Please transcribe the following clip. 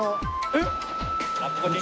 えっ！